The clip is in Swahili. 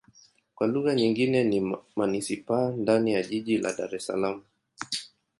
Kwa lugha nyingine ni manisipaa ndani ya jiji la Dar Es Salaam.